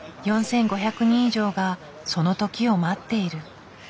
４，５００人以上がその時を待っている。